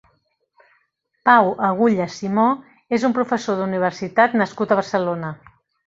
Pau Agulles Simó és un professor d'universitat nascut a Barcelona.